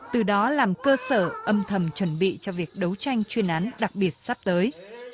từ đó làm cơ sở âm thầm chuẩn bị cho việc đấu tranh chuyên án đặc biệt sắp tới